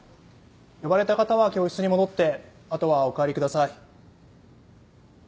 呼ばれた方は教室に戻ってあとはお帰りください。